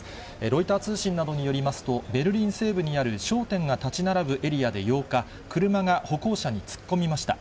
ロイター通信などによりますと、ベルリン西部にある商店が建ち並ぶエリアで８日、車が歩行者に突っ込みました。